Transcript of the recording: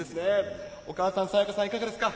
お母さんの清香さん、いかがですか？